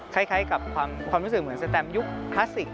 คล้ายกับความรู้สึกเหมือนสแตมยุคคลาสสิก